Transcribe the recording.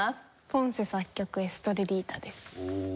ポンセ作曲『エストレリータ』です。